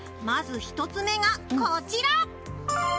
まず１つ目がこちら！